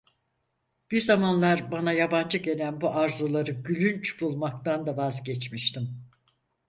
Bir zamanlar bana yabancı gelen bu arzuları gülünç bulmaktan da vazgeçmiştim.